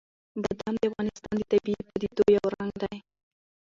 بادام د افغانستان د طبیعي پدیدو یو رنګ دی.